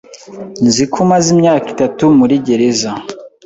Nzi ko umaze imyaka itatu muri gereza.